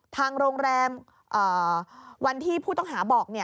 ทางโรงแรมวันที่ผู้ต้องหาบอก